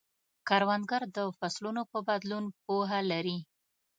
کروندګر د فصلونو په بدلون پوهه لري